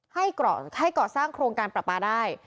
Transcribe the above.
ให้ก่อสร้างโครงการปรับปลาได้